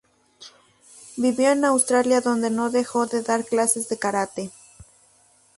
Vivió en Australia donde no dejó de dar clases de karate.